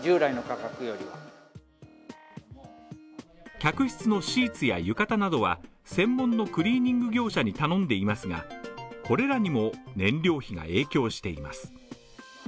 客室のシーツや浴衣などは専門のクリーニング業者に頼んでいますが、これらにも燃料費が影響しています。